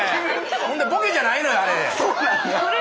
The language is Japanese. ほんでボケじゃないのよあれ。